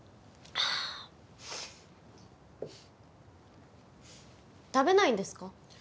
あーっ食べないんですか？